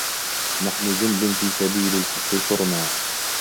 نحن جند في سبيل الحق ثرنا